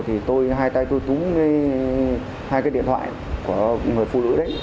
thì hai tay tôi túng hai cái điện thoại của người phụ nữ đấy